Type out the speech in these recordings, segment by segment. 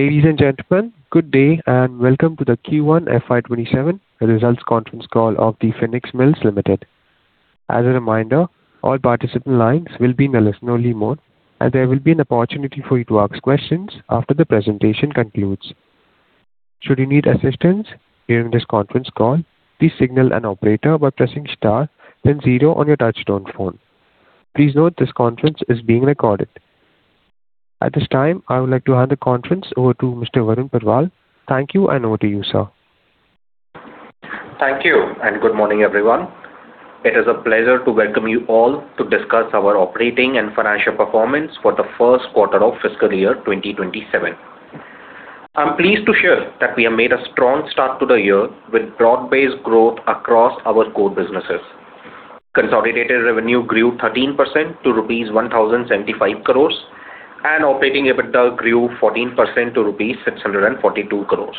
Ladies and gentlemen, good day, and welcome to the Q1 FY 2027 results conference call of The Phoenix Mills Limited. As a reminder, all participant lines will be in listen-only mode, and there will be an opportunity for you to ask questions after the presentation concludes. Should you need assistance during this conference call, please signal an operator by pressing star then zero on your touch-tone phone. Please note this conference is being recorded. At this time, I would like to hand the conference over to Mr. Varun Parwal. Thank you, and over to you, sir. Thank you. Good morning, everyone. It is a pleasure to welcome you all to discuss our operating and financial performance for the first quarter of fiscal year 2027. I'm pleased to share that we have made a strong start to the year with broad-based growth across our core businesses. Consolidated revenue grew 13% to rupees 1,075 crores, and operating EBITDA grew 14% to rupees 642 crores.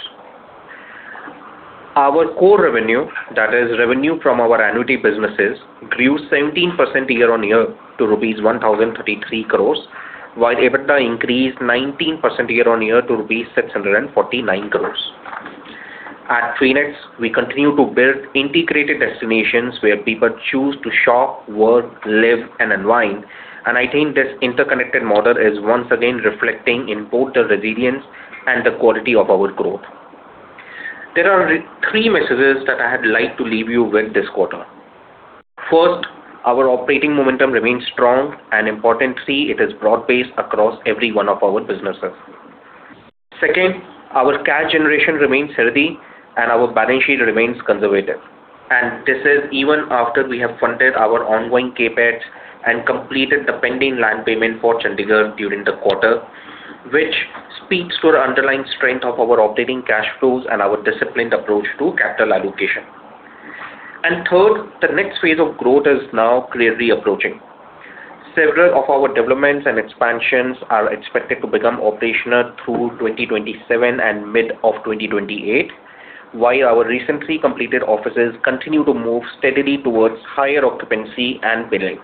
Our core revenue, that is revenue from our annuity businesses, grew 17% year-on-year to rupees 1,033 crores, while EBITDA increased 19% year-on-year to rupees 649 crores. At Phoenix, we continue to build integrated destinations where people choose to shop, work, live, and unwind, and I think this interconnected model is once again reflecting in both the resilience and the quality of our growth. There are three messages that I'd like to leave you with this quarter. First, our operating momentum remains strong, and importantly, it is broad-based across every one of our businesses. Second, our cash generation remains healthy, and our balance sheet remains conservative. This is even after we have funded our ongoing CapEx and completed the pending land payment for Chandigarh during the quarter, which speaks to the underlying strength of our operating cash flows and our disciplined approach to capital allocation. Third, the next phase of growth is now clearly approaching. Several of our developments and expansions are expected to become operational through 2027 and mid of 2028, while our recently completed offices continue to move steadily towards higher occupancy and billing.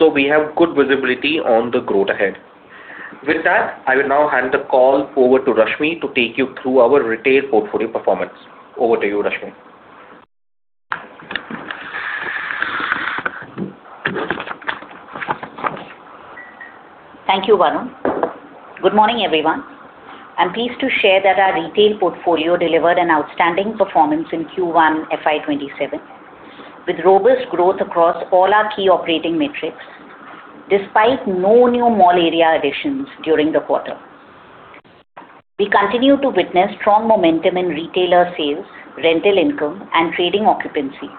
We have good visibility on the growth ahead. With that, I will now hand the call over to Rashmi to take you through our retail portfolio performance. Over to you, Rashmi. Thank you, Varun. Good morning, everyone. I'm pleased to share that our retail portfolio delivered an outstanding performance in Q1 FY 2027, with robust growth across all our key operating metrics despite no new mall area additions during the quarter. We continue to witness strong momentum in retailer sales, rental income, and trading occupancy,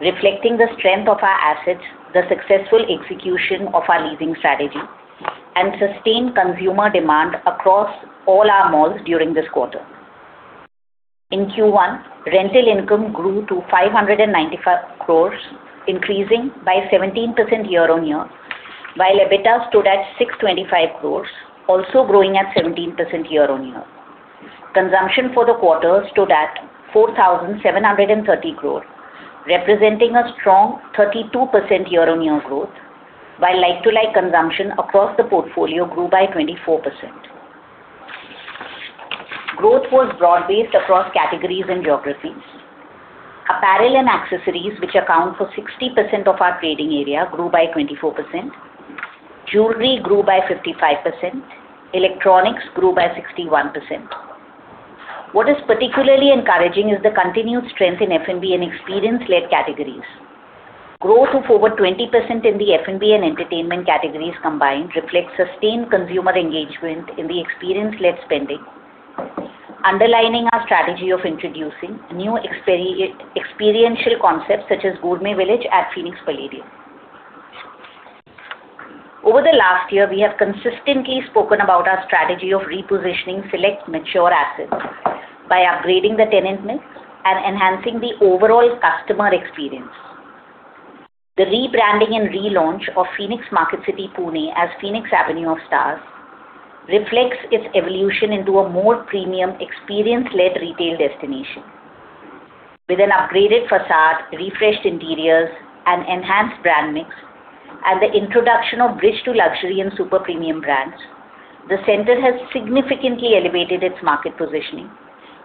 reflecting the strength of our assets, the successful execution of our leasing strategy, and sustained consumer demand across all our malls during this quarter. In Q1, rental income grew to 595 crores, increasing by 17% year-on-year, while EBITDA stood at 625 crores, also growing at 17% year-on-year. Consumption for the quarter stood at 4,730 crore, representing a strong 32% year-on-year growth, while like-to-like consumption across the portfolio grew by 24%. Growth was broad-based across categories and geographies. Apparel and accessories, which account for 60% of our trading area, grew by 24%. Jewelry grew by 55%. Electronics grew by 61%. What is particularly encouraging is the continued strength in F&B and experience-led categories. Growth of over 20% in the F&B and entertainment categories combined reflects sustained consumer engagement in the experience-led spending, underlining our strategy of introducing new experiential concepts such as Gourmet Village at Phoenix Palladium. Over the last year, we have consistently spoken about our strategy of repositioning select mature assets by upgrading the tenant mix and enhancing the overall customer experience. The rebranding and relaunch of Phoenix MarketCity Pune as Phoenix Avenue of Stars reflects its evolution into a more premium experience-led retail destination. With an upgraded façade, refreshed interiors, an enhanced brand mix, and the introduction of bridge to luxury and super premium brands, the center has significantly elevated its market positioning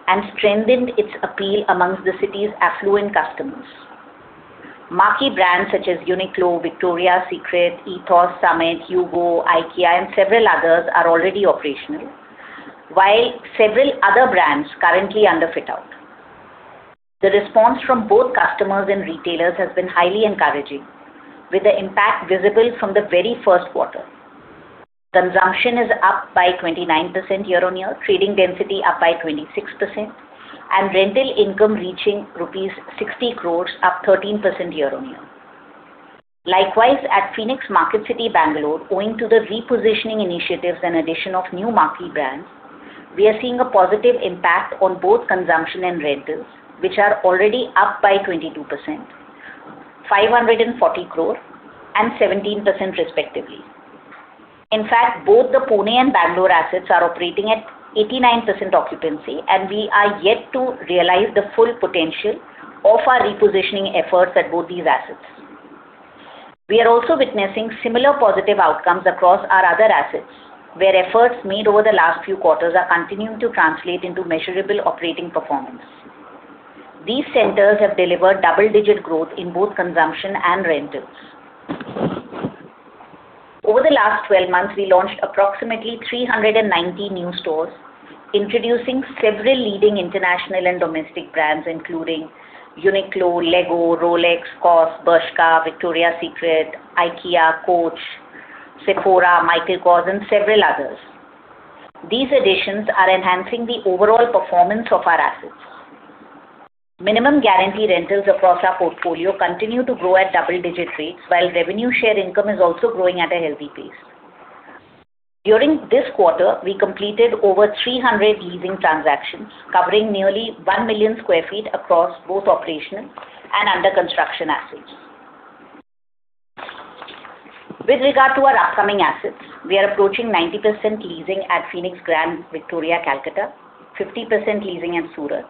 and strengthened its appeal amongst the city's affluent customers. Marquee brands such as Uniqlo, Victoria's Secret, Ethos Summit, Hugo, IKEA, and several others are already operational, while several other brands currently under fit-out. The response from both customers and retailers has been highly encouraging, with the impact visible from the very first quarter. Consumption is up by 29% year-over-year, trading density up by 26%, and rental income reaching 60 crores rupees, up 13% year-over-year. Likewise, at Phoenix MarketCity Bangalore, owing to the repositioning initiatives and addition of new marquee brands, we are seeing a positive impact on both consumption and rentals, which are already up by 22%, 540 crore, and 17% respectively. In fact, both the Pune and Bangalore assets are operating at 89% occupancy, and we are yet to realize the full potential of our repositioning efforts at both these assets. We are also witnessing similar positive outcomes across our other assets, where efforts made over the last few quarters are continuing to translate into measurable operating performance. These centers have delivered double-digit growth in both consumption and rentals. Over the last 12 months, we launched approximately 390 new stores, introducing several leading international and domestic brands, including Uniqlo, Lego, Rolex, COS, Bershka, Victoria's Secret, IKEA, Coach, Sephora, Michael Kors, and several others. These additions are enhancing the overall performance of our assets. Minimum guarantee rentals across our portfolio continue to grow at double-digit rates, while revenue share income is also growing at a healthy pace. During this quarter, we completed over 300 leasing transactions, covering nearly 1 million sq ft across both operational and under-construction assets. With regard to our upcoming assets, we are approaching 90% leasing at Phoenix Grand Victoria, Calcutta, 50% leasing at Surat.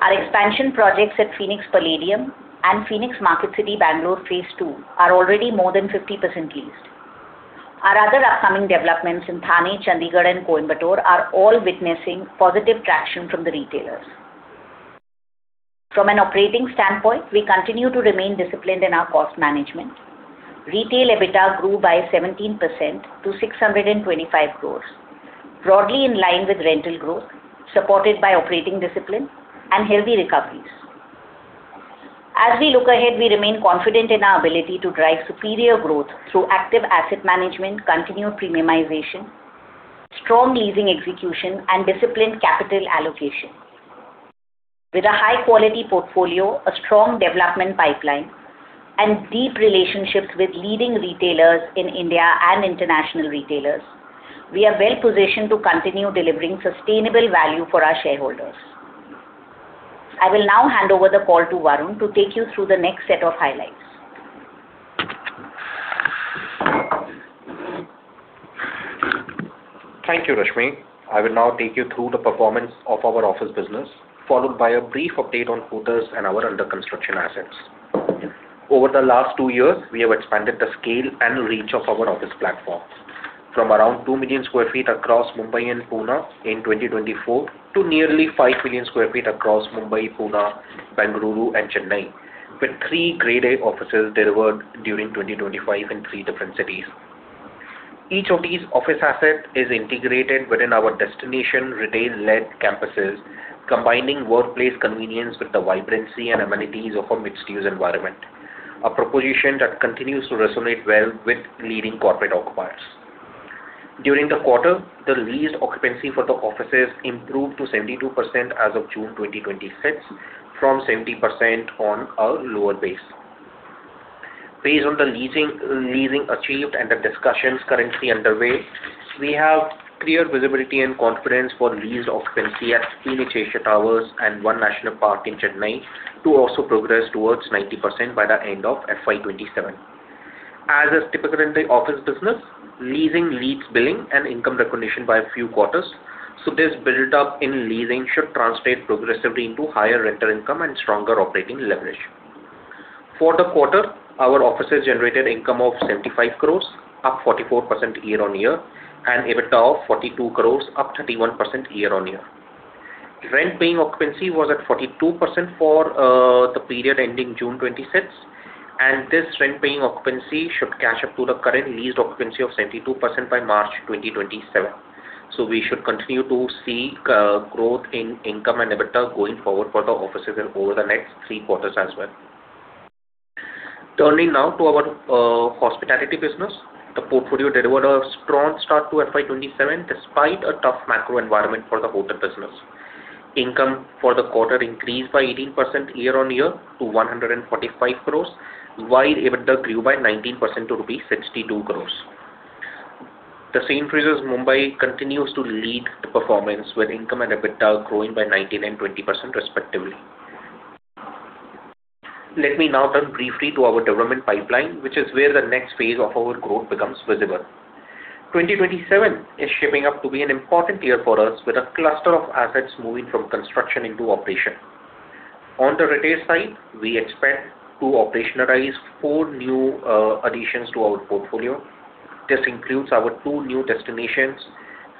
Our expansion projects at Phoenix Palladium and Phoenix MarketCity Bangalore, phase II, are already more than 50% leased. Our other upcoming developments in Thane, Chandigarh, and Coimbatore are all witnessing positive traction from the retailers. From an operating standpoint, we continue to remain disciplined in our cost management. Retail EBITDA grew by 17% to 625 crores, broadly in line with rental growth, supported by operating discipline and healthy recoveries. As we look ahead, we remain confident in our ability to drive superior growth through active asset management, continued premiumization, strong leasing execution, and disciplined capital allocation. With a high-quality portfolio, a strong development pipeline, and deep relationships with leading retailers in India and international retailers, we are well-positioned to continue delivering sustainable value for our shareholders. I will now hand over the call to Varun to take you through the next set of highlights. Thank you, Rashmi. I will now take you through the performance of our office business, followed by a brief update on hotels and our under-construction assets. Over the last two years, we have expanded the scale and reach of our office platform from around 2 million square feet across Mumbai and Pune in 2024 to nearly 5 million square feet across Mumbai, Pune, Bengaluru, and Chennai, with three Grade A offices delivered during 2025 in three different cities. Each of these office assets is integrated within our destination retail-led campuses, combining workplace convenience with the vibrancy and amenities of a mixed-use environment, a proposition that continues to resonate well with leading corporate occupiers. During the quarter, the leased occupancy for the offices improved to 72% as of June 2026 from 70% on a lower base. Based on the leasing achieved and the discussions currently underway, we have clear visibility and confidence for leased occupancy at Phoenix Asia Towers and One National Park in Chennai to also progress towards 90% by the end of FY 2027. As is typical in the office business, leasing leads billing and income recognition by a few quarters, so this build-up in leasing should translate progressively into higher rental income and stronger operating leverage. For the quarter, our offices generated income of 75 crores, up 44% year-on-year, and EBITDA of 42 crores, up 31% year-on-year. Rent-paying occupancy was at 42% for the period ending June 2026, and this rent-paying occupancy should catch up to the current leased occupancy of 72% by March 2027. We should continue to see growth in income and EBITDA going forward for the offices over the next three quarters as well. Turning now to our hospitality business. The portfolio delivered a strong start to FY 2027, despite a tough macro environment for the hotel business. Income for the quarter increased by 18% year-on-year to 145 crores, while EBITDA grew by 19% to rupees 62 crores. The St. Regis Mumbai continues to lead the performance, with income and EBITDA growing by 19% and 20%, respectively. Let me now turn briefly to our development pipeline, which is where the next phase of our growth becomes visible. 2027 is shaping up to be an important year for us, with a cluster of assets moving from construction into operation. On the retail side, we expect to operationalize four new additions to our portfolio. This includes our two new destinations,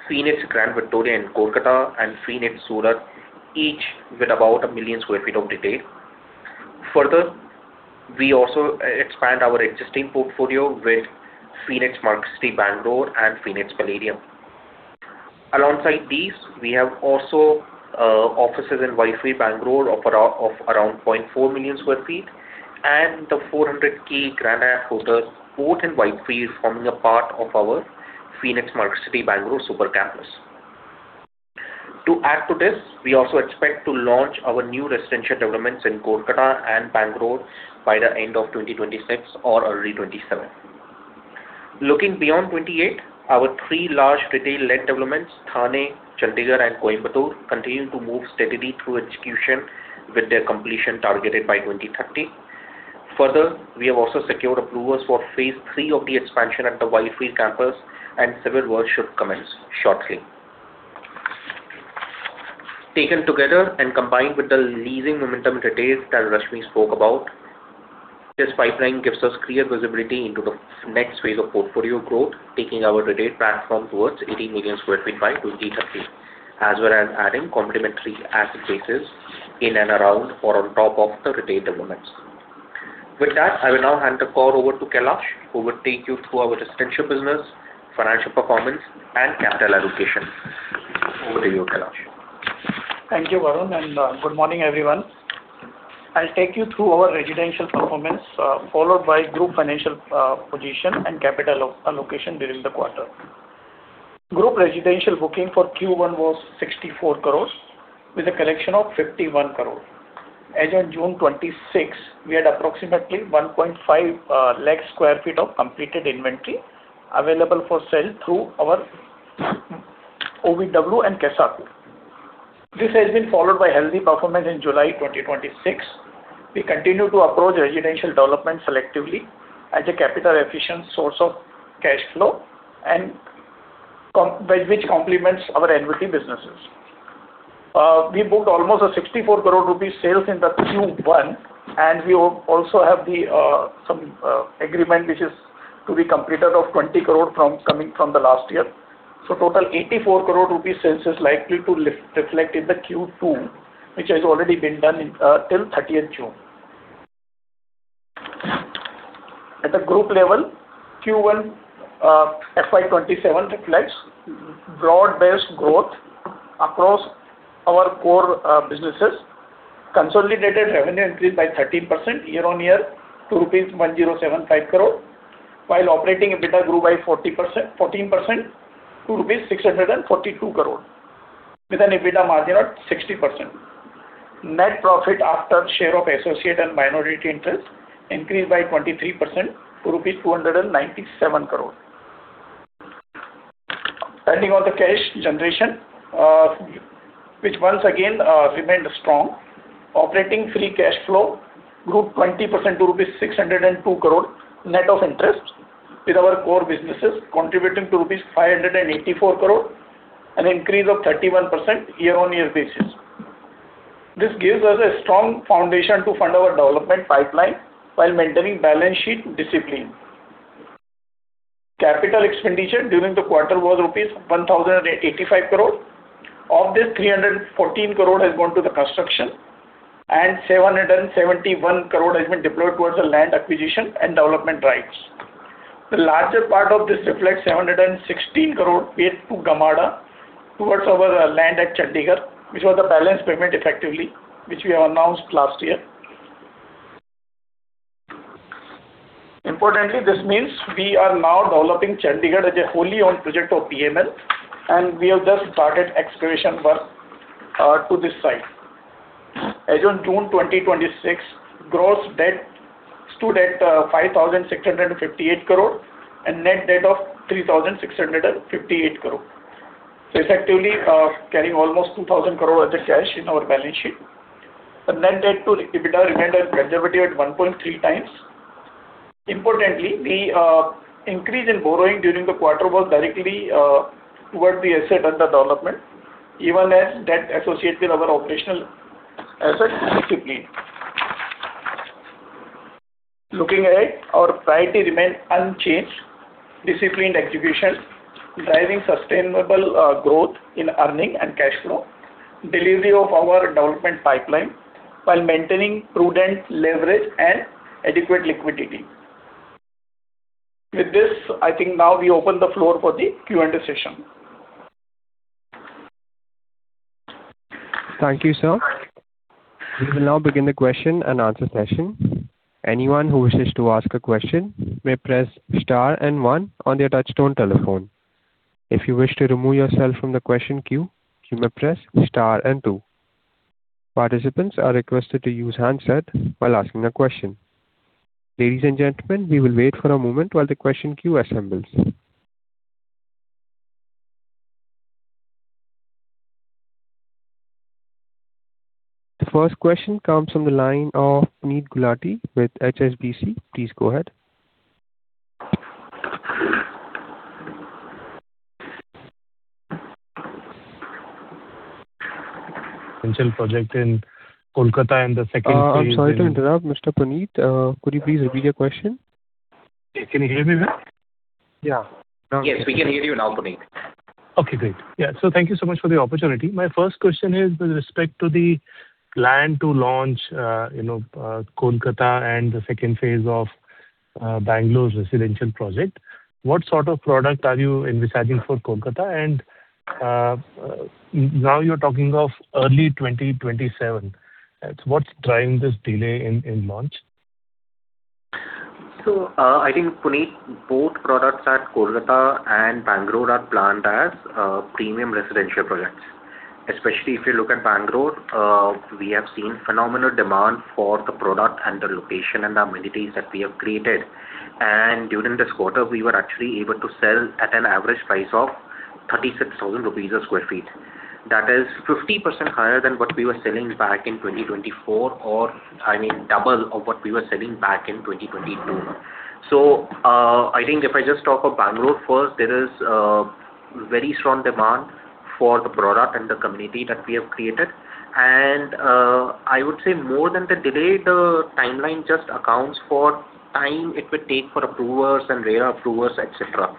Phoenix Grand Victoria in Kolkata and Phoenix Surat, each with about a million square feet of retail. Further, we also expand our existing portfolio with Phoenix MarketCity Bangalore and Phoenix Palladium. Alongside these, we have also offices in Whitefield, Bangalore, of around 0.4 million square feet, and the 400-key Grand Mercure Hotel, both in Whitefield, forming a part of our Phoenix MarketCity Bangalore super campus. To add to this, we also expect to launch our new residential developments in Kolkata and Bangalore by the end of 2026 or early 2027. Looking beyond 2028, our three large retail-led developments, Thane, Chandigarh, and Coimbatore, continue to move steadily through execution, with their completion targeted by 2030. Further, we have also secured approvals for phase III of the expansion at the Whitefield campus, and civil work should commence shortly. Combined with the leasing momentum in retail that Rashmi spoke about, this pipeline gives us clear visibility into the next phase of portfolio growth, taking our retail platform towards 18 million square feet by 2030. As well as adding complementary asset classes in and around or on top of the retail developments. With that, I will now hand the call over to Kailash, who will take you through our residential business, financial performance, and capital allocation. Over to you, Kailash. Thank you, Varun. Good morning, everyone. I'll take you through our residential performance, followed by group financial position and capital allocation during the quarter. Group residential booking for Q1 was 64 crore with a collection of 51 crore. As on June 2026, we had approximately 1.5 lakh square feet of completed inventory available for sale through our OVW and Kessaku. This has been followed by healthy performance in July 2026. We continue to approach residential development selectively as a capital efficient source of cash flow which complements our annuity businesses. We booked almost 64 crore rupees sales in the Q1. We also have some agreement which is to be completed of 20 crore coming from the last year. Total 84 crore rupees sales is likely to reflect in the Q2, which has already been done till 30 June. At the group level, Q1 FY 2027 reflects broad-based growth across our core businesses. Consolidated revenue increased by 13% year-on-year to rupees 1,075 crore, while operating EBITDA grew by 14%, to rupees 642 crore with an EBITDA margin of 60%. Net profit after share of associate and minority interest increased by 23% to rupees 297 crore. Landing on the cash generation, which once again, remained strong. Operating free cash flow grew 20% to rupees 602 crore net of interest with our core businesses contributing to rupees 584 crore, an increase of 31% year-on-year basis. This gives us a strong foundation to fund our development pipeline while maintaining balance sheet discipline. Capital expenditure during the quarter was rupees 1,085 crore. Of this, 314 crore has gone to the construction and 771 crore has been deployed towards the land acquisition and development rights. The larger part of this reflects 716 crore paid to GMADA towards our land at Chandigarh, which was the balance payment effectively, which we have announced last year. Importantly, this means we are now developing Chandigarh as a wholly owned project of PML. We have just started excavation work to this site. As on June 2026, gross debt stood at 5,658 crore and net debt of 3,658 crore. Effectively, carrying almost 2,000 crore as a cash in our balance sheet. The net debt to EBITDA remained conservative at 1.3 times. Importantly, the increase in borrowing during the quarter was directly towards the asset under development, even as debt associated with our operational assets remained disciplined. Looking ahead, our priority remains unchanged. Disciplined execution, driving sustainable growth in earning and cash flow, delivery of our development pipeline while maintaining prudent leverage and adequate liquidity. With this, I think now we open the floor for the Q and A session. Thank you, sir. We will now begin the question-and-answer session. Anyone who wishes to ask a question may press star and one on their touchtone telephone. If you wish to remove yourself from the question queue, you may press star and two. Participants are requested to use handset while asking a question. Ladies and gentlemen, we will wait for a moment while the question queue assembles. The first question comes from the line of Puneet Gulati with HSBC. Please go ahead. Residential project in Kolkata and the second phase. I'm sorry to interrupt, Mr. Puneet. Could you please repeat your question? Can you hear me now? Yeah. Yes, we can hear you now, Puneet. Okay, great. Yeah. Thank you so much for the opportunity. My first question is with respect to the plan to launch Kolkata and the second phase of Bangalore's residential project. What sort of product are you envisaging for Kolkata? Now you're talking of early 2027. What's driving this delay in launch? I think, Puneet, both products at Kolkata and Bangalore are planned as premium residential projects. Especially if you look at Bangalore, we have seen phenomenal demand for the product and the location and the amenities that we have created. During this quarter, we were actually able to sell at an average price of 36,000 rupees a sq ft. That is 50% higher than what we were selling back in 2024, or double of what we were selling back in 2022. I think if I just talk of Bangalore first, there is very strong demand for the product and the community that we have created. I would say more than the delay, the timeline just accounts for time it would take for approvers and re-approvers, et cetera.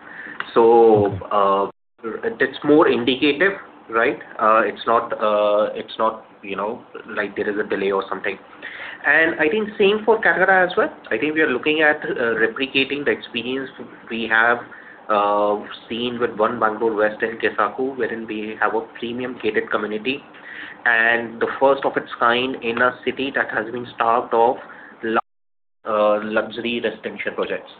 It's more indicative, right? It's not like there is a delay or something. I think same for Kolkata as well. I think we are looking at replicating the experience we have seen with One Bangalore West and Kessaku, wherein we have a premium gated community, and the first of its kind in a city that has been starved of luxury residential projects.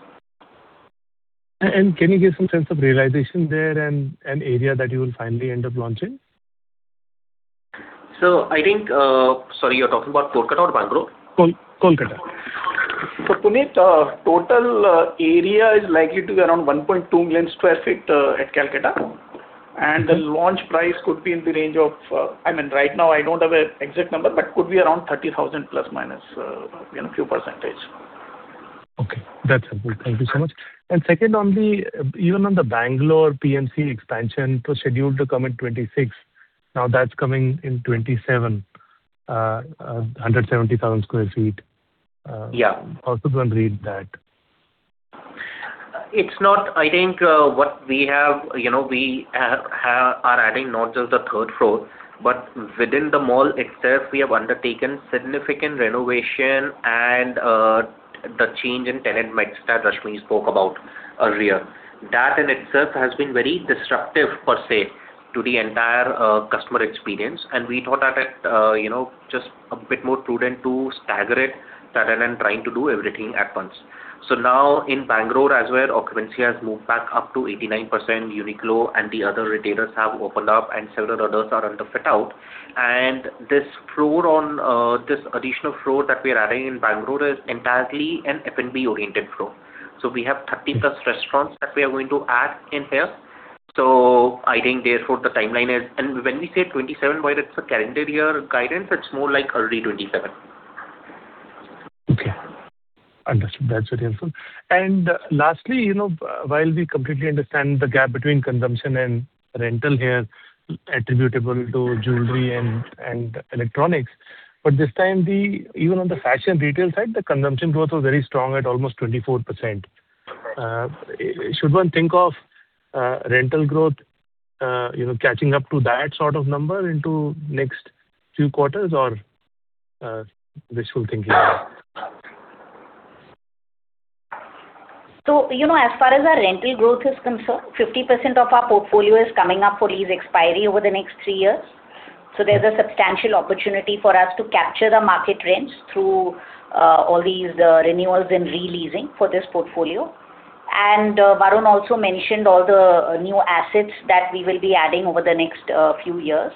Can you give some sense of realization there and area that you will finally end up launching? Sorry, you're talking about Kolkata or Bangalore? Kolkata. Kolkata. Puneet, total area is likely to be around 1.2 million square feet at Kolkata. The launch price could be in the range of, right now I don't have an exact number, but could be around 30,000 plus or minus a few percentage. Okay. That's helpful. Thank you so much. Second, even on the Bangalore PMC expansion was scheduled to come in 2026, now that's coming in 2027, 170,000 sq ft. Yeah. How does one read that? I think we are adding not just the third floor, but within the mall itself, we have undertaken significant renovation and the change in tenant mix that Rashmi spoke about earlier. That in itself has been very disruptive, per se, to the entire customer experience. We thought that it just a bit more prudent to stagger it rather than trying to do everything at once. Now in Bangalore as well, occupancy has moved back up to 89%, Uniqlo and the other retailers have opened up, and several others are under fit-out. This additional floor that we are adding in Bangalore is entirely an F&B-oriented floor. We have 30-plus restaurants that we are going to add in here. I think therefore the timeline is. When we say 2027, why that's a calendar year guidance, it's more like early 2027. Okay. Understood. That's very helpful. Lastly, while we completely understand the gap between consumption and rental here attributable to jewelry and electronics. This time, even on the fashion retail side, the consumption growth was very strong at almost 24%. Should one think of rental growth catching up to that sort of number into next few quarters or wishful thinking? As far as our rental growth is concerned, 50% of our portfolio is coming up for lease expiry over the next three years. There's a substantial opportunity for us to capture the market rents through all these renewals and re-leasing for this portfolio. Varun also mentioned all the new assets that we will be adding over the next few years.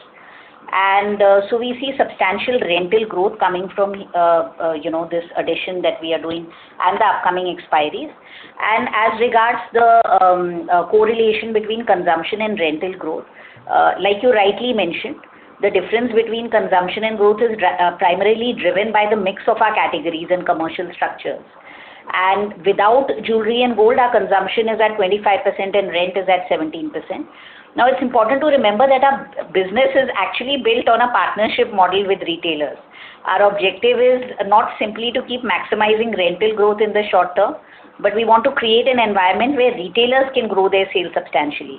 We see substantial rental growth coming from this addition that we are doing and the upcoming expiries. As regards the correlation between consumption and rental growth, like you rightly mentioned, the difference between consumption and growth is primarily driven by the mix of our categories and commercial structures. Without jewelry and gold, our consumption is at 25% and rent is at 17%. It's important to remember that our business is actually built on a partnership model with retailers. Our objective is not simply to keep maximizing rental growth in the short term, but we want to create an environment where retailers can grow their sales substantially.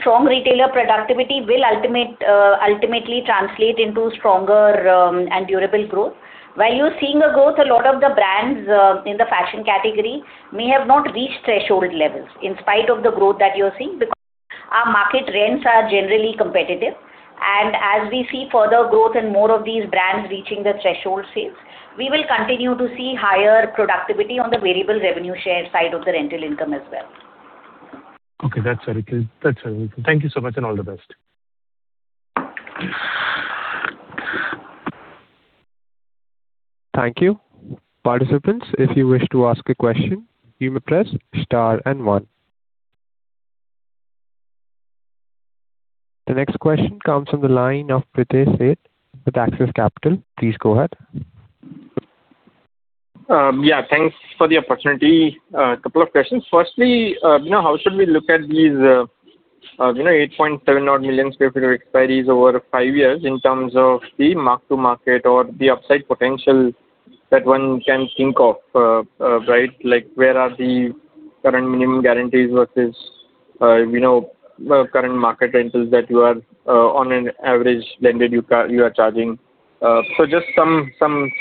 Strong retailer productivity will ultimately translate into stronger and durable growth. While you're seeing a growth, a lot of the brands in the fashion category may have not reached threshold levels in spite of the growth that you're seeing because our market rents are generally competitive. As we see further growth and more of these brands reaching the threshold sales, we will continue to see higher productivity on the variable revenue share side of the rental income as well. Okay. That's very clear. Thank you so much, and all the best. Thank you. Participants, if you wish to ask a question, you may press star and one. The next question comes from the line of Pritesh Sheth with Axis Capital. Please go ahead. Yeah, thanks for the opportunity. A couple of questions. Firstly, how should we look at these, 8.7 odd million square feet of expiries over five years in terms of the mark to market or the upside potential that one can think of, right? Like where are the current minimum guarantees versus current market rentals that you are on an average blended you are charging. Just some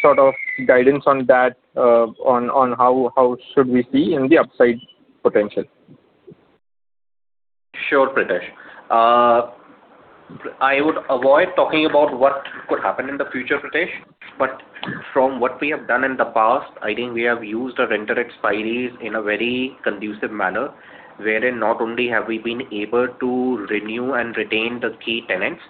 sort of guidance on that, on how should we see in the upside potential? Sure, Pritesh. I would avoid talking about what could happen in the future, Pritesh. From what we have done in the past, I think we have used our rented expiries in a very conducive manner, wherein not only have we been able to renew and retain the key tenants,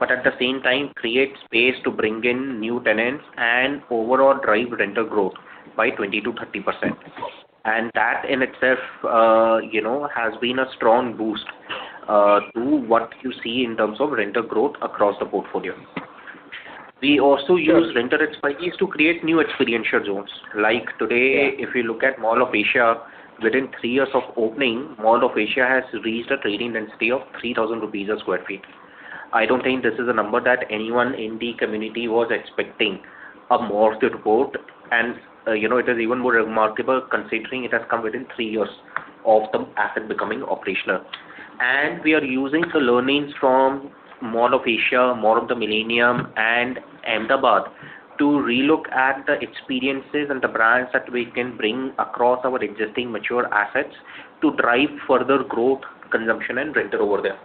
but at the same time create space to bring in new tenants and overall drive rental growth by 20%-30%. That in itself has been a strong boost to what you see in terms of rental growth across the portfolio. We also use rented expiries to create new experiential zones. Like today- Yeah if you look at Mall of Asia, within three years of opening, Mall of Asia has reached a trading density of 3,000 rupees a square feet. I don't think this is a number that anyone in the community was expecting a mall to report. It is even more remarkable considering it has come within three years of the asset becoming operational. We are using the learnings from Mall of Asia, Mall of the Millennium, and Ahmedabad to relook at the experiences and the brands that we can bring across our existing mature assets to drive further growth, consumption, and rental over there.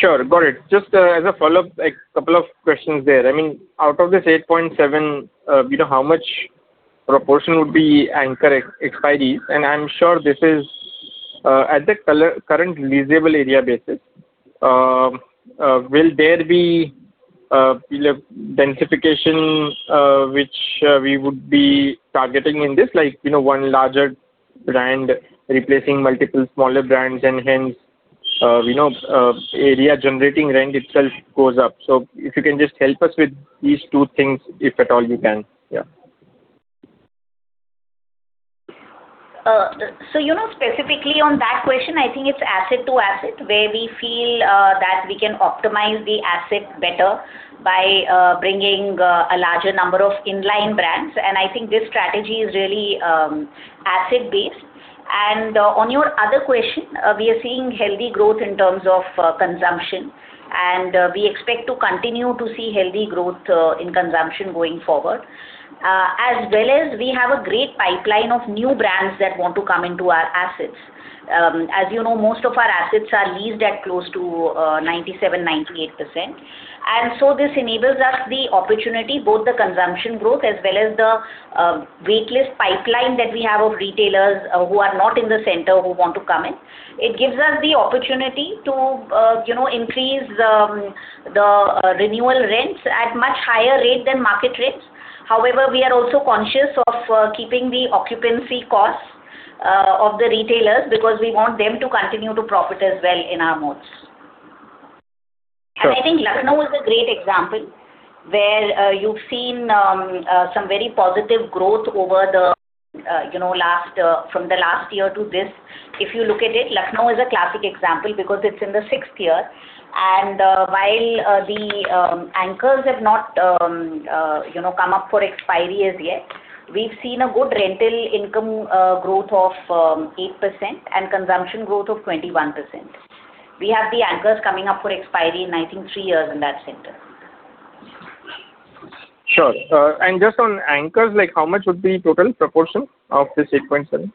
Sure. Got it. Just as a follow-up, a couple of questions there. Out of this 8.7, how much proportion would be anchor expiry? And I'm sure this is at the current leasable area basis. Will there be densification which we would be targeting in this? Like one larger brand replacing multiple smaller brands and hence area generating rent itself goes up. If you can just help us with these two things, if at all you can. Yeah. Specifically on that question, I think it's asset to asset where we feel that we can optimize the asset better by bringing a larger number of inline brands. I think this strategy is really asset-based. On your other question, we are seeing healthy growth in terms of consumption, and we expect to continue to see healthy growth in consumption going forward. As well as we have a great pipeline of new brands that want to come into our assets. As you know, most of our assets are leased at close to 97%, 98%. This enables us the opportunity, both the consumption growth as well as the wait list pipeline that we have of retailers who are not in the center who want to come in. It gives us the opportunity to increase the renewal rents at much higher rate than market rates. However, we are also conscious of keeping the occupancy costs of the retailers because we want them to continue to profit as well in our malls. Sure. I think Lucknow is a great example where you've seen some very positive growth from the last year to this. If you look at it, Lucknow is a classic example because it's in the sixth year. While the anchors have not come up for expiry as yet, we've seen a good rental income growth of 8% and consumption growth of 21%. We have the anchors coming up for expiry in, I think, three years in that center. Sure. Just on anchors, how much would be total proportion of this 8.7?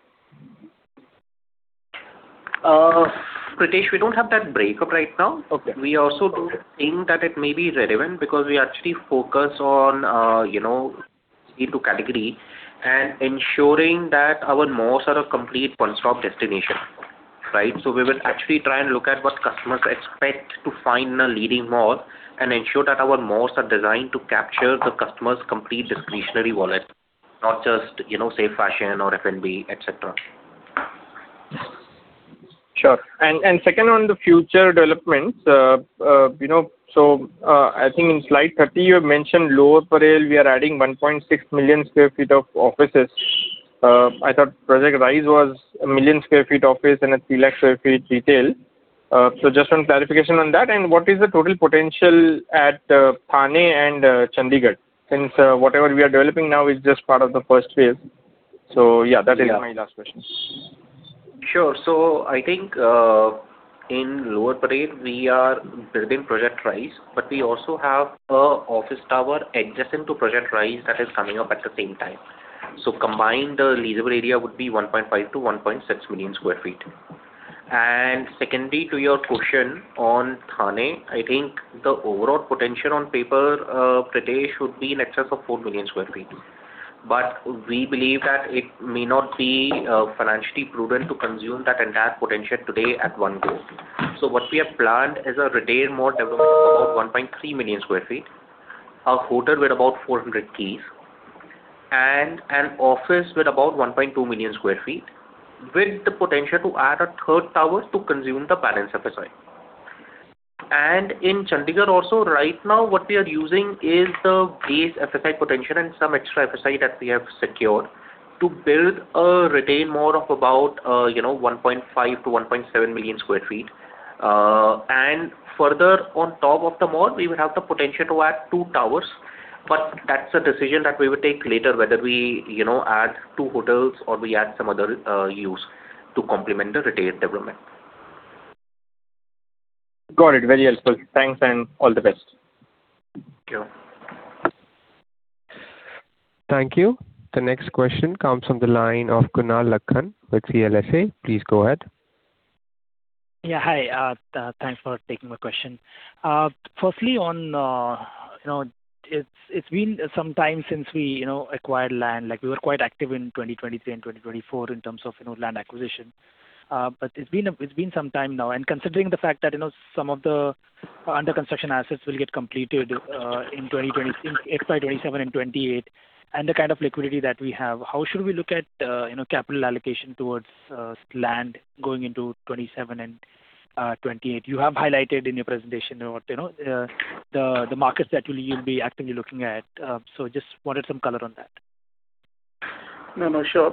Pritesh, we don't have that breakup right now. Okay. Got it. We also don't think that it may be relevant because we actually focus on category and ensuring that our malls are a complete one-stop destination. We will actually try and look at what customers expect to find in a leading mall and ensure that our malls are designed to capture the customer's complete discretionary wallet, not just, say, fashion or F&B, et cetera. Sure. Second, on the future developments. I think in slide 30, you have mentioned Lower Parel, we are adding 1.6 million sq ft of offices. I thought Project Rise was a million sq ft office and a 300,000 sq ft retail. Just some clarification on that. What is the total potential at Thane and Chandigarh, since whatever we are developing now is just part of the first phase. Yeah, that is my last question. Sure. I think, in Lower Parel, we are building Project Rise, we also have an office tower adjacent to Project Rise that is coming up at the same time. Combined, the leasable area would be 1.5-1.6 million sq ft. Secondly, to your question on Thane, I think the overall potential on paper, Pritesh, should be in excess of 4 million sq ft. We believe that it may not be financially prudent to consume that entire potential today at one go. What we have planned is a retail mall development of about 1.3 million sq ft, a hotel with about 400-keys, and an office with about 1.2 million sq ft, with the potential to add a third tower to consume the balance FSI. In Chandigarh also, right now what we are using is the base FSI potential and some extra FSI that we have secured to build a retail mall of about 1.5-1.7 million sq ft. Further on top of the mall, we would have the potential to add two towers. That's a decision that we will take later whether we add two hotels or we add some other use to complement the retail development. Got it. Very helpful. Thanks and all the best. Thank you. Thank you. The next question comes from the line of Kunal Lakhan with CLSA. Please go ahead. Hi. Thanks for taking my question. Firstly, it's been some time since we acquired land. We were quite active in 2023 and 2024 in terms of land acquisition. It's been some time now, and considering the fact that some of the under construction assets will get completed in FY 2027 and 2028, and the kind of liquidity that we have, how should we look at capital allocation towards land going into 2027 and 2028. You have highlighted in your presentation the markets that you'll be actively looking at. Just wanted some color on that. No, sure.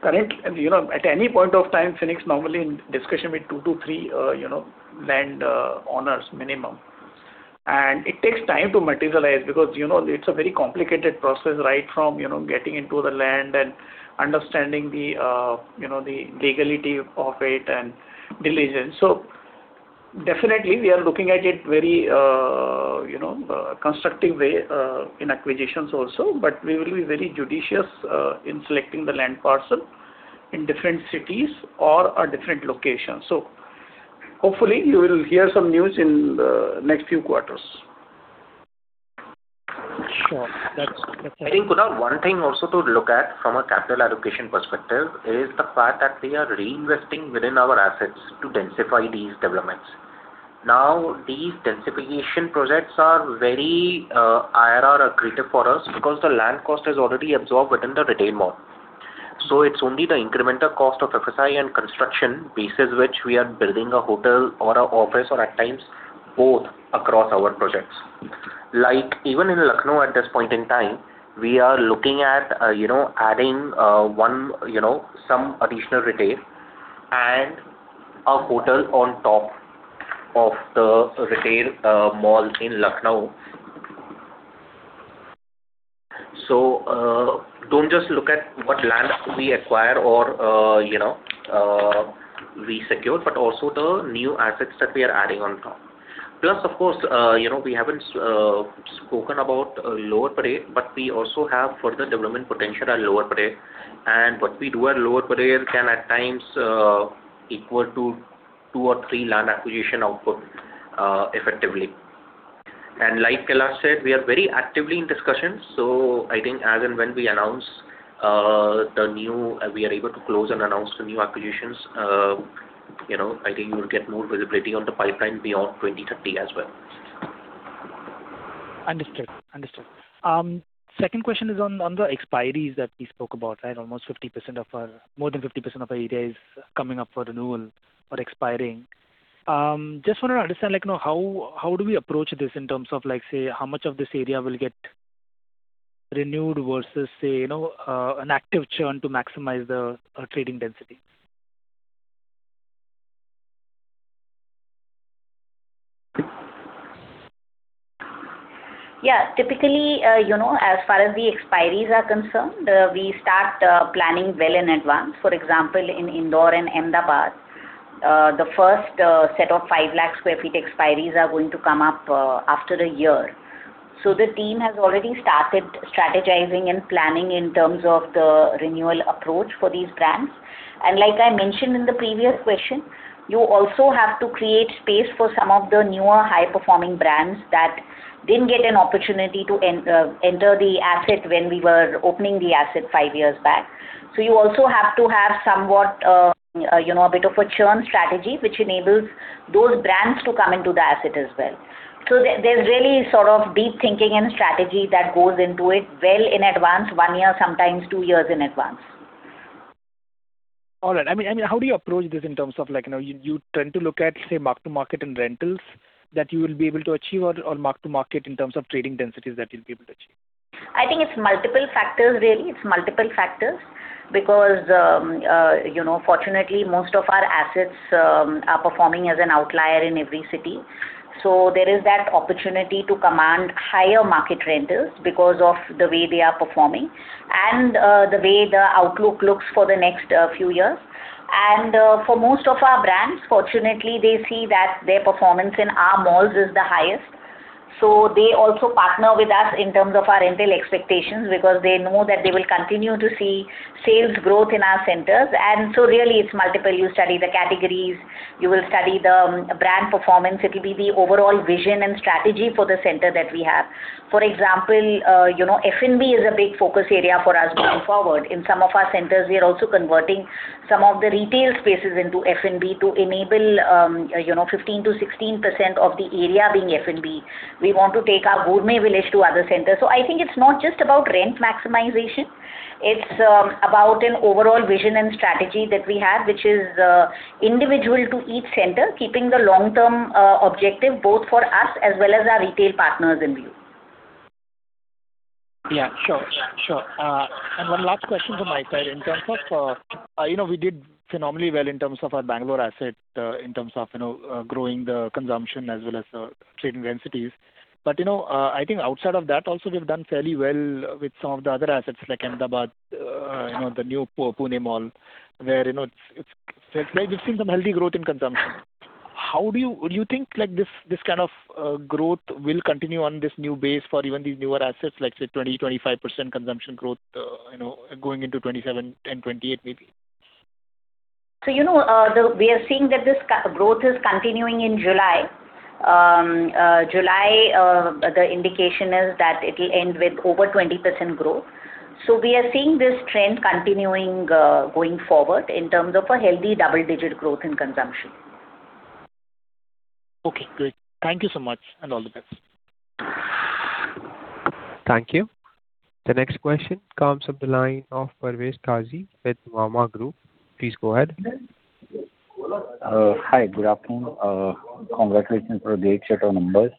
Current, at any point of time, Phoenix normally in discussion with two to three land owners minimum. It takes time to materialize because it's a very complicated process right from getting into the land and understanding the legality of it and diligence. Definitely, we are looking at it very constructive way, in acquisitions also. We will be very judicious in selecting the land parcel in different cities or at different locations. Hopefully, you will hear some news in the next few quarters. Sure. Kunal, one thing also to look at from a capital allocation perspective is the fact that we are reinvesting within our assets to densify these developments. These densification projects are very IRR accretive for us because the land cost is already absorbed within the retail mall. It is only the incremental cost of FSI and construction basis which we are building a hotel or an office or at times both across our projects. Like even in Lucknow at this point in time, we are looking at adding some additional retail and a hotel on top of the retail mall in Lucknow. Do not just look at what land we acquire or we secure, but also the new assets that we are adding on top. Of course, we have not spoken about Lower Parel, but we also have further development potential at Lower Parel. What we do at Lower Parel can at times equal to two or three land acquisition output effectively. Like Kailash said, we are very actively in discussions. I think as and when we are able to close and announce the new acquisitions, I think you will get more visibility on the pipeline beyond 2030 as well. Understood. Second question is on the expiries that we spoke about. More than 50% of our area is coming up for renewal or expiring. Just want to understand how do we approach this in terms of, say, how much of this area will get renewed versus, say, an active churn to maximize the trading density? Yeah. Typically, as far as the expiries are concerned, we start planning well in advance. For example, in Indore and Ahmedabad, the first set of 5 lakh sq ft expiries are going to come up after a year. The team has already started strategizing and planning in terms of the renewal approach for these brands. Like I mentioned in the previous question, you also have to create space for some of the newer high-performing brands that didn't get an opportunity to enter the asset when we were opening the asset five years back. You also have to have somewhat a bit of a churn strategy, which enables those brands to come into the asset as well. There's really sort of deep thinking and strategy that goes into it well in advance, one year, sometimes two years in advance. All right. How do you approach this in terms of you tend to look at, say, mark to market in rentals that you will be able to achieve or mark to market in terms of trading densities that you'll be able to achieve? I think it's multiple factors, really. It's multiple factors because, fortunately, most of our assets are performing as an outlier in every city. There is that opportunity to command higher market rentals because of the way they are performing and the way the outlook looks for the next few years. For most of our brands, fortunately, they see that their performance in our malls is the highest. They also partner with us in terms of our rental expectations because they know that they will continue to see sales growth in our centers. Really, it's multiple. You study the categories, you will study the brand performance. It'll be the overall vision and strategy for the center that we have. For example, F&B is a big focus area for us going forward. In some of our centers, we are also converting some of the retail spaces into F&B to enable 15%-16% of the area being F&B. We want to take our Gourmet Village to other centers. I think it's not just about rent maximization. It's about an overall vision and strategy that we have, which is individual to each center, keeping the long-term objective both for us as well as our retail partners in view. One last question from my side in terms of, we did phenomenally well in terms of our Bengaluru asset, in terms of growing the consumption as well as trading densities. I think outside of that also, we've done fairly well with some of the other assets like Ahmedabad, the new Phoenix Avenue of Stars mall, where we've seen some healthy growth in consumption. Do you think this kind of growth will continue on this new base for even these newer assets, like, say, 20%-25% consumption growth going into 2027 and 2028 maybe? We are seeing that this growth is continuing in July. July, the indication is that it'll end with over 20% growth. We are seeing this trend continuing going forward in terms of a healthy double-digit growth in consumption. Okay, great. Thank you so much, and all the best. Thank you. The next question comes from the line of Parvez Qazi with Nuvama Group. Please go ahead. Hi, good afternoon. Congratulations for a great set of numbers.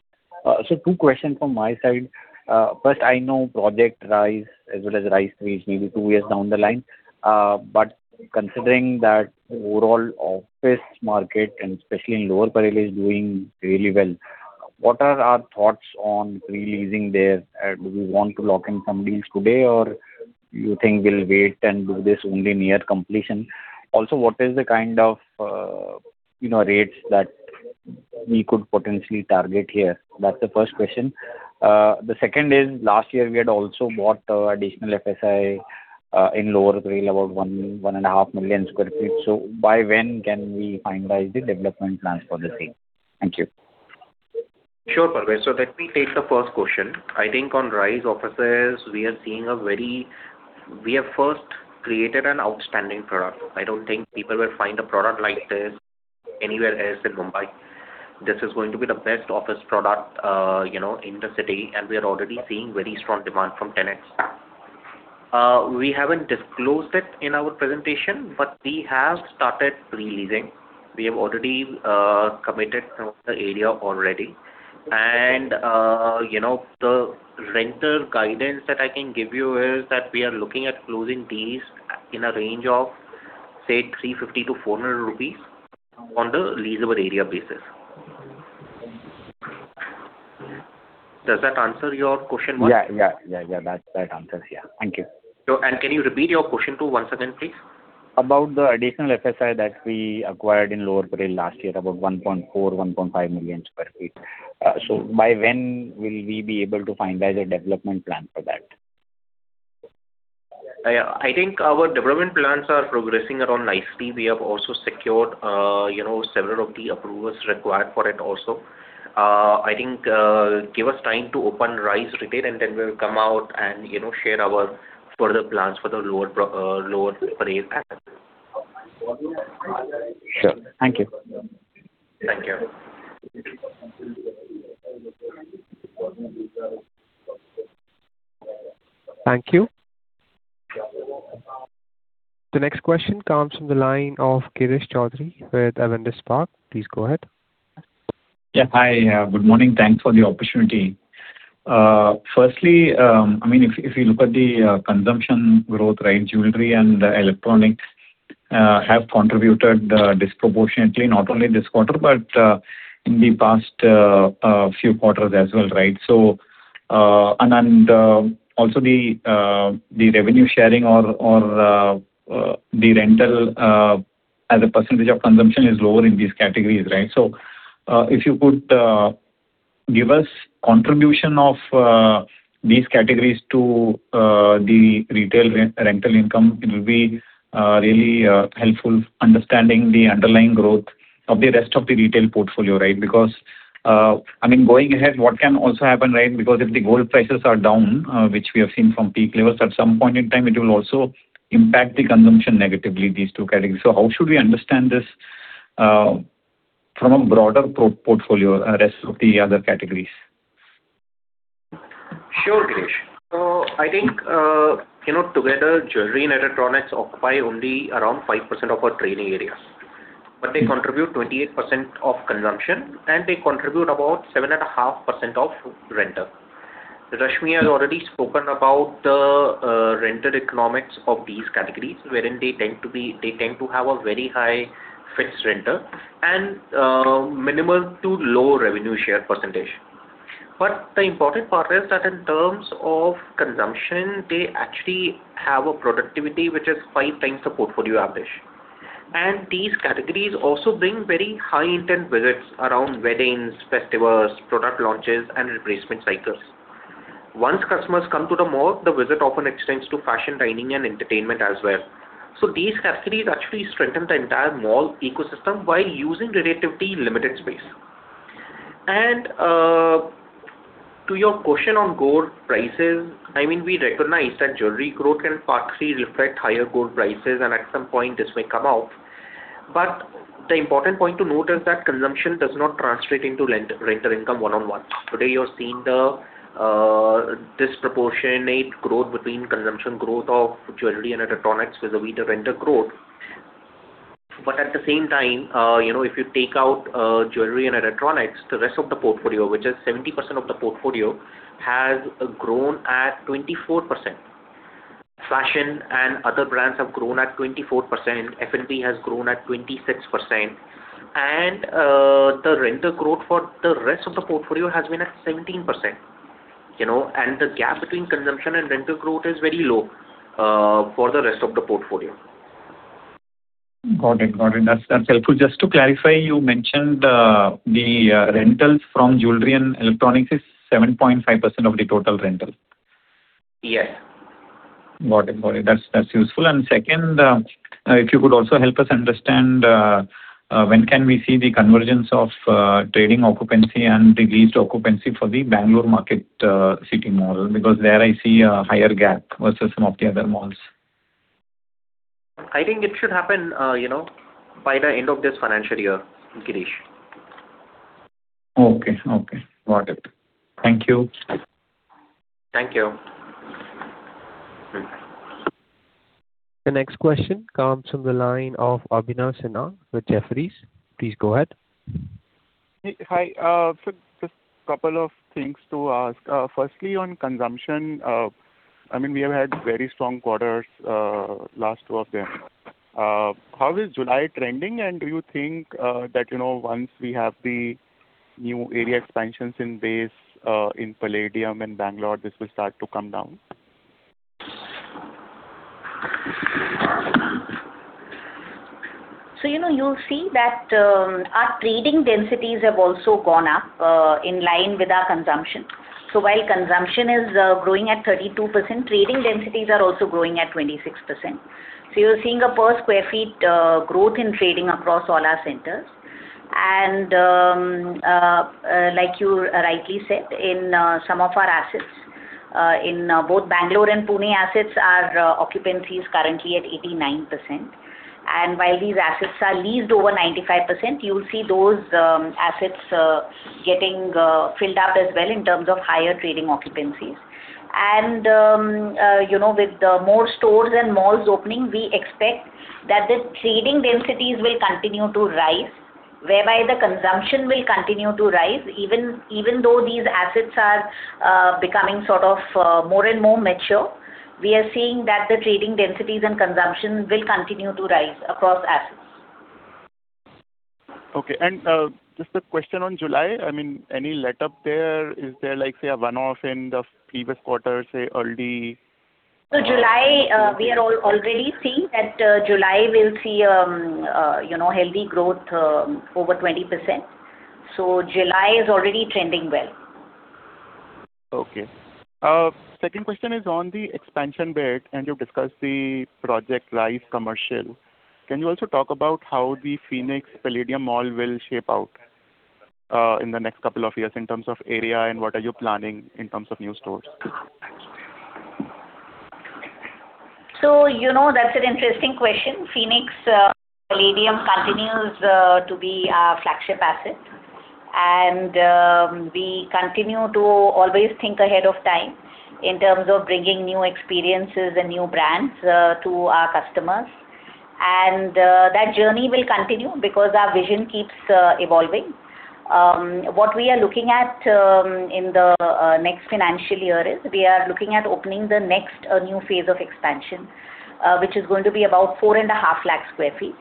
Two questions from my side. First, I know Project Rise as well as Rise 3 is maybe two years down the line. Considering that overall office market and especially in Lower Parel is doing really well, what are our thoughts on pre-leasing there? Do we want to lock in some deals today, or you think we'll wait and do this only near completion? Also, what is the kind of rates that we could potentially target here? That's the first question. The second is, last year we had also bought additional FSI in Lower Parel, about 1.5 million sq ft. By when can we finalize the development plans for the same? Thank you. Sure, Parvez. Let me take the first question. I think on Rise offices, we have first created an outstanding product. I don't think people will find a product like this anywhere else in Mumbai. This is going to be the best office product in the city. We are already seeing very strong demand from tenants. We haven't disclosed it in our presentation. We have started pre-leasing. We have already committed some of the area already. The rental guidance that I can give you is that we are looking at closing these in a range of, say, 350-400 rupees on the leasable area basis. Does that answer your question one? Yeah. That answers. Thank you. Can you repeat your question two once again, please? About the additional FSI that we acquired in Lower Parel last year, about 1.4, 1.5 million square feet. By when will we be able to finalize a development plan for that? I think our development plans are progressing along nicely. We have also secured several of the approvals required for it also. I think give us time to open Rise retail, then we'll come out and share our further plans for the Lower Parel asset. Sure. Thank you. Thank you. Thank you. The next question comes from the line of Girish Choudhary with Avendus Spark. Please go ahead. Yeah. Hi, good morning. Thanks for the opportunity. Firstly, if you look at the consumption growth, jewelry and electronics have contributed disproportionately, not only this quarter, but in the past few quarters as well, right? Also the revenue sharing or the rental as a percentage of consumption is lower in these categories, right? If you could give us contribution of these categories to the retail rental income, it will be really helpful understanding the underlying growth of the rest of the retail portfolio, right? Going ahead, what can also happen, because if the gold prices are down, which we have seen from peak levels, at some point in time, it will also impact the consumption negatively, these two categories. How should we understand this from a broader portfolio, rest of the other categories? Sure, Girish. I think together, jewelry and electronics occupy only around 5% of our trading area, but they contribute 28% of consumption, and they contribute about 7.5% of rental. Rashmi has already spoken about the rental economics of these categories, wherein they tend to have a very high fixed rental, and minimal to low revenue share percentage. The important part is that in terms of consumption, they actually have a productivity which is five times the portfolio average. These categories also bring very high intent visits around weddings, festivals, product launches, and replacement cycles. Once customers come to the mall, the visit often extends to fashion, dining, and entertainment as well. These categories actually strengthen the entire mall ecosystem while using relatively limited space. To your question on gold prices, we recognize that jewelry growth can partially reflect higher gold prices, and at some point this may come off. The important point to note is that consumption does not translate into rental income one-on-one. Today, you're seeing the disproportionate growth between consumption growth of jewelry and electronics vis-à-vis the rental growth. At the same time, if you take out jewelry and electronics, the rest of the portfolio, which is 70% of the portfolio, has grown at 24%. Fashion and other brands have grown at 24%, F&B has grown at 26%, and the rental growth for the rest of the portfolio has been at 17%. The gap between consumption and rental growth is very low for the rest of the portfolio. Got it. That's helpful. Just to clarify, you mentioned the rentals from jewelry and electronics is 7.5% of the total rental? Yes. Got it. That's useful. Second, if you could also help us understand when can we see the convergence of trading occupancy and the leased occupancy for the Bangalore MarketCity model? There I see a higher gap versus some of the other malls. I think it should happen by the end of this financial year, Girish. Okay, got it. Thank you. Thank you. The next question comes from the line of Abhinav Sinha with Jefferies. Please go ahead. Hi. Just couple of things to ask. Firstly, on consumption, we have had very strong quarters, last two of them. How is July trending? Do you think that once we have the new area expansions in base, in Palladium in Bangalore, this will start to come down? You'll see that our trading densities have also gone up in line with our consumption. While consumption is growing at 32%, trading densities are also growing at 26%. You're seeing a per square feet growth in trading across all our centers. Like you rightly said, in some of our assets, in both Bangalore and Pune assets, our occupancy is currently at 89%. While these assets are leased over 95%, you'll see those assets getting filled up as well in terms of higher trading occupancies. With the more stores and malls opening, we expect that the trading densities will continue to rise, whereby the consumption will continue to rise, even though these assets are becoming sort of more and more mature. We are seeing that the trading densities and consumption will continue to rise across assets. Okay. Just a question on July, any letup there? Is there, say, a one-off in the previous quarter, say early- July, we are already seeing that July will see healthy growth over 20%. July is already trending well. Okay. Second question is on the expansion bit, you've discussed the Project Rise commercial. Can you also talk about how the Phoenix Palladium Mall will shape out in the next couple of years in terms of area and what are you planning in terms of new stores? That's an interesting question. Phoenix Palladium continues to be our flagship asset, and we continue to always think ahead of time in terms of bringing new experiences and new brands to our customers. That journey will continue because our vision keeps evolving. What we are looking at in the next financial year is we are looking at opening the next new phase of expansion, which is going to be about 4.5 Lakh square feet.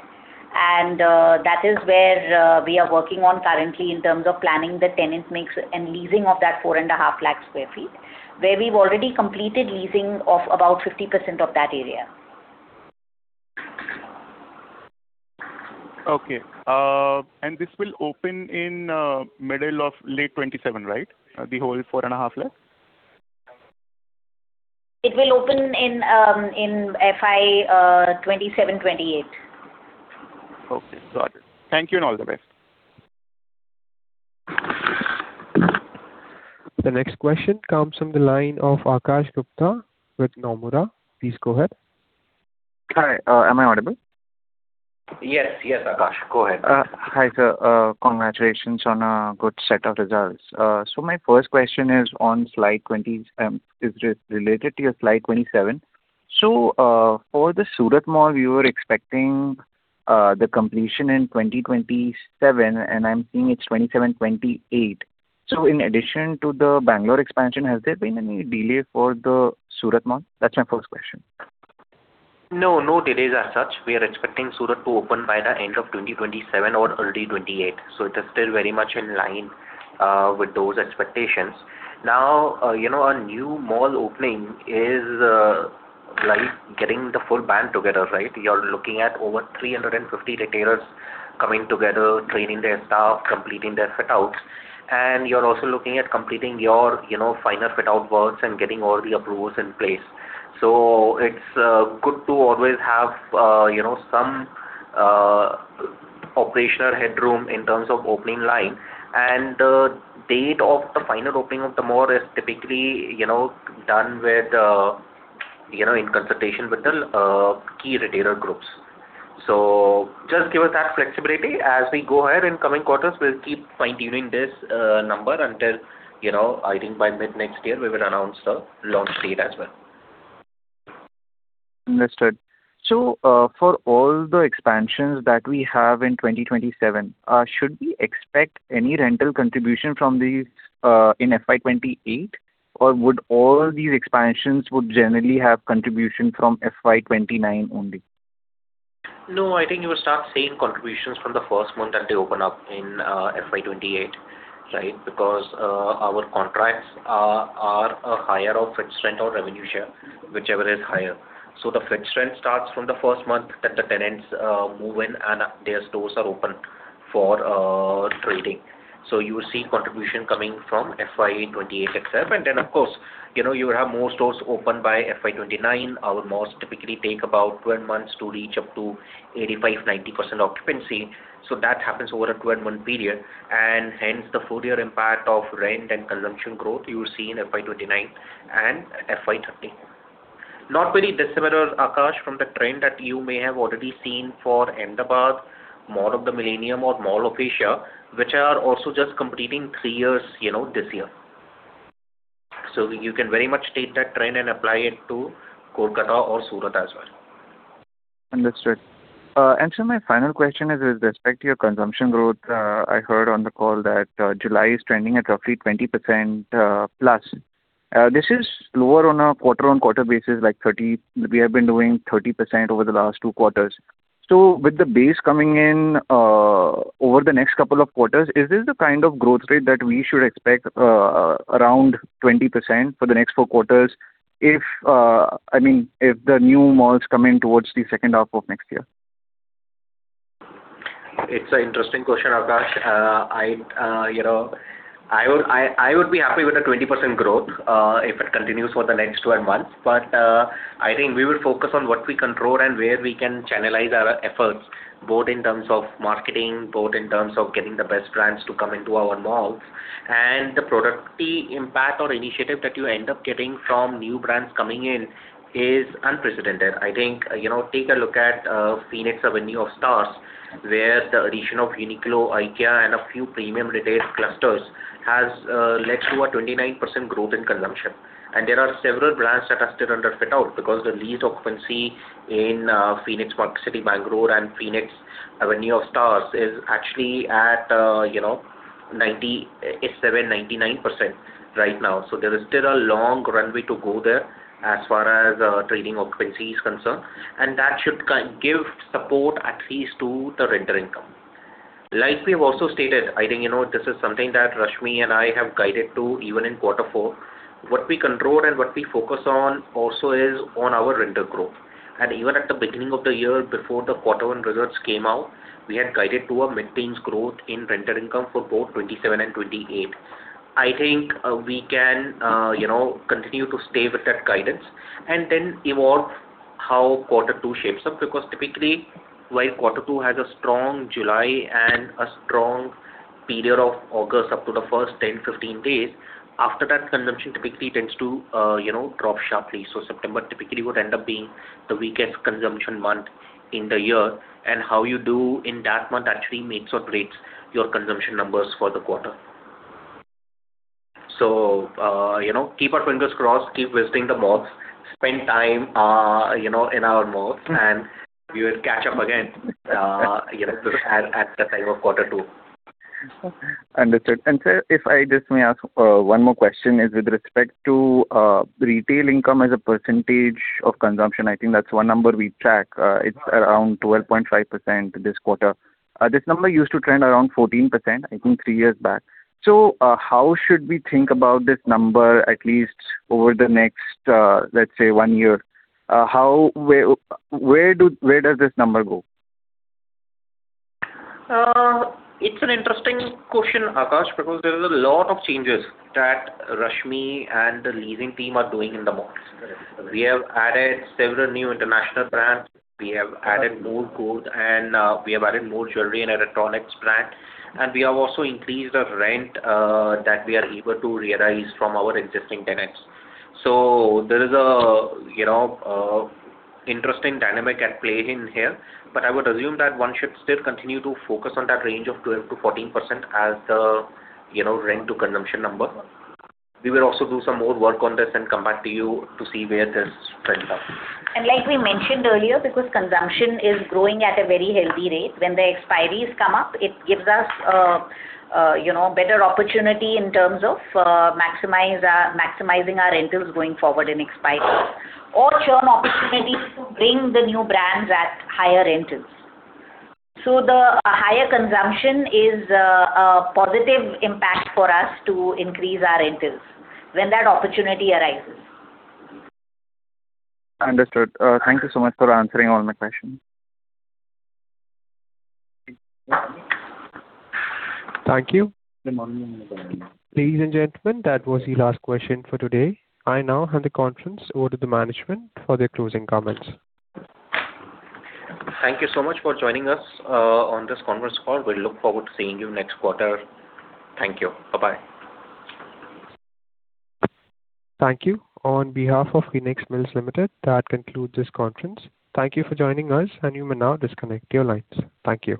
That is where we are working on currently in terms of planning the tenant mix and leasing of that 4.5 Lakh square feet, where we've already completed leasing of about 50% of that area. Okay. This will open in middle of late 2027, right? The whole 4.5 Lakh. It will open in FY 2027-2028. Okay, got it. Thank you, and all the best. The next question comes from the line of Akash Gupta with Nomura. Please go ahead. Hi. Am I audible? Yes, Akash, go ahead. Hi, sir. Congratulations on a good set of results. My first question is on slide 20, is related to your slide 27. For the Surat Mall, you were expecting the completion in 2027, and I'm seeing it's 2027-2028. In addition to the Bangalore expansion, has there been any delay for the Surat Mall? That's my first question. No delays as such. We are expecting Surat to open by the end of 2027 or early 2028. It is still very much in line with those expectations. Our new mall opening is like getting the full band together. You're looking at over 350 retailers coming together, training their staff, completing their fit outs, and you're also looking at completing your final fit out works and getting all the approvals in place. It's good to always have some operational headroom in terms of opening line, and the date of the final opening of the mall is typically done in consultation with the key retailer groups. Just give us that flexibility. As we go ahead in coming quarters, we'll keep fine-tuning this number until, I think by mid-next year, we will announce the launch date as well. Understood. For all the expansions that we have in 2027, should we expect any rental contribution from these in FY 2028, or would all these expansions generally have contribution from FY 2029 only? No, I think you will start seeing contributions from the first month that they open up in FY 2028. Our contracts are higher of fixed rent or revenue share, whichever is higher. The fixed rent starts from the first month that the tenants move in and their stores are open for trading. You will see contribution coming from FY 2028 itself. Then, of course, you will have more stores open by FY 2029. Our malls typically take about 12 months to reach up to 85%, 90% occupancy. That happens over a 12-month period, and hence the full year impact of rent and consumption growth you will see in FY 2029 and FY 2030. Not very dissimilar, Akash, from the trend that you may have already seen for Ahmedabad, Mall of the Millennium or Mall of Asia, which are also just completing three years this year. You can very much take that trend and apply it to Kolkata or Surat as well. Understood. Sir, my final question is with respect to your consumption growth. I heard on the call that July is trending at roughly 20% plus. This is lower on a quarter-on-quarter basis, like we have been doing 30% over the last two quarters. With the base coming in over the next couple of quarters, is this the kind of growth rate that we should expect around 20% for the next four quarters if the new mall's coming towards the second half of next year? It's an interesting question, Akash. I would be happy with the 20% growth, if it continues for the next 12 months. But I think we will focus on what we control and where we can channelize our efforts, both in terms of marketing, both in terms of getting the best brands to come into our malls. And the productivity impact or initiative that you end up getting from new brands coming in is unprecedented. I think, take a look at Phoenix Avenue of Stars, where the addition of Uniqlo, IKEA, and a few premium retail clusters has led to a 29% growth in consumption. And there are several brands that are still under fit-out because the lease occupancy in Phoenix MarketCity Bangalore and Phoenix Avenue of Stars is actually at 97%-99% right now. There is still a long runway to go there as far as trading occupancy is concerned, and that should give support at least to the rental income. Like we've also stated, I think this is something that Rashmi and I have guided to even in quarter four, what we control and what we focus on also is on our rental growth. And even at the beginning of the year before the quarter one results came out, we had guided to a mid-teens growth in rental income for both 2027 and 2028. I think we can continue to stay with that guidance and then evolve how quarter two shapes up. Because typically, while quarter two has a strong July and a strong period of August up to the first 10, 15 days, after that consumption typically tends to drop sharply. September typically would end up being the weakest consumption month in the year, and how you do in that month actually makes or breaks your consumption numbers for the quarter. So, keep our fingers crossed, keep visiting the malls, spend time in our malls, and we will catch up again at the time of quarter two. Understood. Sir, if I just may ask one more question is with respect to retail income as a percentage of consumption. I think that's one number we track. It's around 12.5% this quarter. This number used to trend around 14%, I think three years back. So, how should we think about this number at least over the next, let's say, one year? Where does this number go? It's an interesting question, Akash, because there's a lot of changes that Rashmi and the leasing team are doing in the malls. We have added several new international brands. We have added more gold and we have added more jewelry and electronics brands. We have also increased our rent that we are able to realize from our existing tenants. There is an interesting dynamic at play in here, but I would assume that one should still continue to focus on that range of 12%-14% as the rent to consumption number. We will also do some more work on this and come back to you to see where this trends up. Like we mentioned earlier, because consumption is growing at a very healthy rate, when the expiries come up, it gives us better opportunity in terms of maximizing our rentals going forward in expiries or churn opportunities to bring the new brands at higher rentals. The higher consumption is a positive impact for us to increase our rentals when that opportunity arises. Understood. Thank you so much for answering all my questions. Thank you. Ladies and gentlemen, that was the last question for today. I now hand the conference over to the management for their closing comments. Thank you so much for joining us on this conference call. We look forward to seeing you next quarter. Thank you. Bye-bye. Thank you. On behalf of Phoenix Mills Limited, that concludes this conference. Thank you for joining us, and you may now disconnect your lines. Thank you.